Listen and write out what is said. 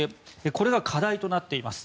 これが課題となっています。